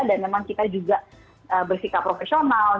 dan memang kita juga bersikap profesional